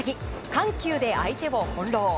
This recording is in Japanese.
緩急で相手を翻弄。